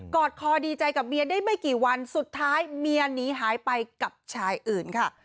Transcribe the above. อดคอดีใจกับเบียร์ได้ไม่กี่วันสุดท้ายเมียหนีหายไปกับชายอื่นค่ะ